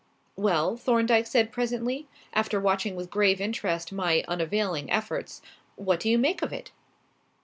"Well?" Thorndyke said presently, after watching with grave interest my unavailing efforts; "what do you make of it?"